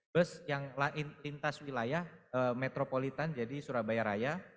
bus yang lintas wilayah metropolitan jadi surabaya raya